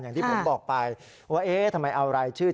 อย่างที่ผมบอกไปว่าเอ๊ะทำไมเอารายชื่อ